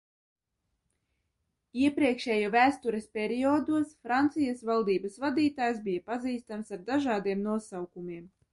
Iepriekšējo vēstures periodos Francijas valdības vadītājs bija pazīstams ar dažādiem nosaukumiem.